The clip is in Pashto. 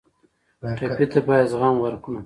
ټپي ته باید زغم ورکړو.